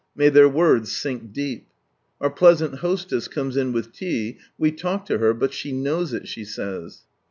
May their words sink deep. Our pleasant hostess comes in with tea, we talk to her, but she " knows it," she says.